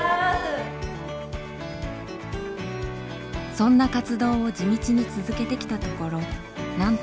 そんな活動を地道に続けてきたところなんと。